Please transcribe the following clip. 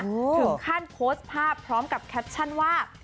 ถึงขั้นโพสต์ภาพพร้อมกับแคปชั่นว่า